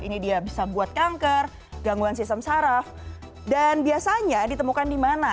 ini dia bisa buat kanker gangguan sistem saraf dan biasanya ditemukan di mana